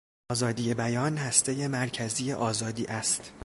آزادی بیان هستهی مرکزی آزادی است.